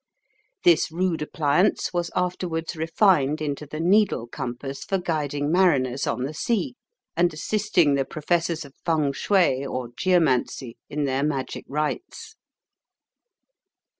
This rude appliance was afterwards refined into the needle compass for guiding mariners on the sea, and assisting the professors of feng shui or geomancy in their magic rites.